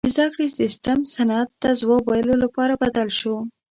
• د زدهکړې سیستم صنعت ته ځواب ویلو لپاره بدل شو.